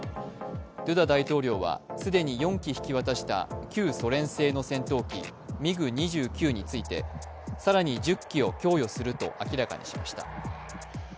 ドゥダ大統領は既に４機引き渡した旧ソ連製の戦闘機ミグ２９について更に１０機を供与すると明らかにしました。